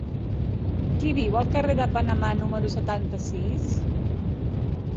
Qui viu al carrer de Panamà número setanta-sis?